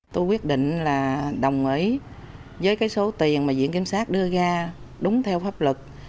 tôi quyết định là đồng ý với cái số tiền mà diện kiểm soát đưa ra đúng theo pháp lực